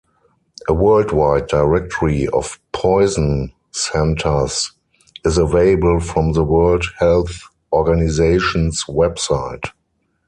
A worldwide directory of poison centers is available from the World Health Organization's website.